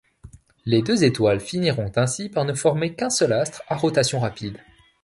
Les deux étoiles finiront ainsi par ne former qu'un seul astre à rotation rapide.